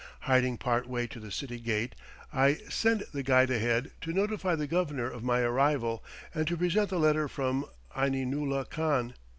Hiding part way to the city gate, I send the guide ahead to notify the governor of my arrival, and to present the letter from Aininulah Khan.